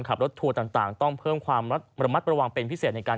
ขับรถทัวร์ต่างต่างต้องเพิ่มความระละละมาตรระวางเป็นพิเศษในการ